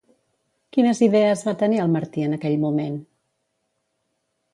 Quines idees va tenir el Martí en aquell moment?